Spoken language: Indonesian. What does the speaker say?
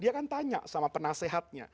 dia kan tanya sama penasehatnya